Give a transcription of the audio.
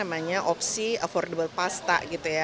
namanya opsi affordable pasta gitu ya